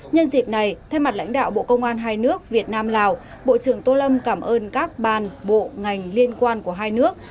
nhân dịp này thay mặt lãnh đạo bộ công an hai nước việt nam lào bộ trưởng tô lâm cảm ơn các bàn bộ ngành liên quan của hai nước